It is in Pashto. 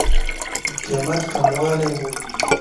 قېمت کموالی مومي.